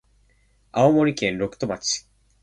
青森県六戸町